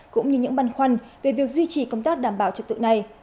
cũng như những băn khoăn về việc duy trì công tác đảm bảo trật tự này